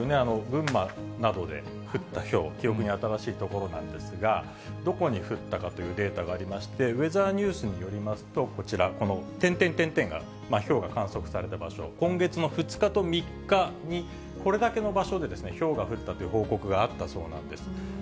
群馬などで降ったひょう、記憶に新しいところなんですが、どこに降ったかというデータがありまして、ウェザーニュースによりますと、こちら、この点々点々がひょうが観測された場所、今月の２日と３日にこれだけの場所でひょうが降ったという報告があったそうなんです。